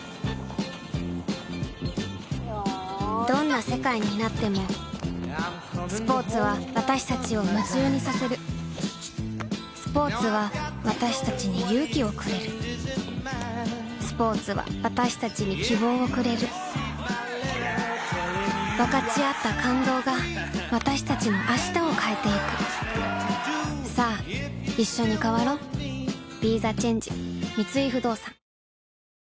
どんな世界になってもスポーツは私たちを夢中にさせるスポーツは私たちに勇気をくれるスポーツは私たちに希望をくれる分かち合った感動が私たちの明日を変えてゆくさあいっしょに変わろう［今夜は］